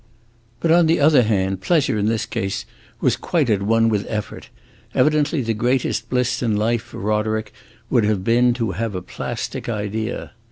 But on the other hand, pleasure, in this case, was quite at one with effort; evidently the greatest bliss in life, for Roderick, would have been to have a plastic idea.